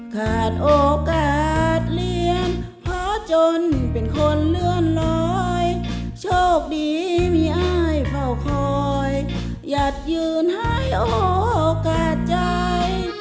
ขาดโอกาสเรียนหาจนเป็นคนเลื่อนลอยโชคดีมีอ้ายเฝ้าคอยหยัดยืนให้โอกาสใจ